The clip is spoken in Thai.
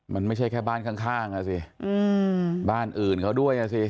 มันไม่ใช่แค่บ้านข้างอ่ะสิบ้านอื่นเขาด้วยอ่ะสิ